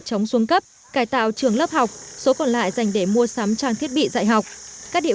chống xuống cấp cải tạo trường lớp học số còn lại dành để mua sắm trang thiết bị dạy học các địa